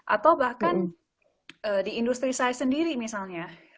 atau bahkan di industri saya sendiri misalnya